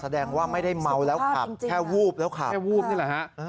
แสดงว่าไม่ได้เมาแล้วครับแค่วูบแล้วครับสุขภาพจริงครับแค่วูบนี่แหละฮะ